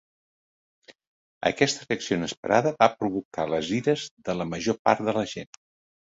Aquesta reacció inesperada va provocar les ires de la major part de la gent.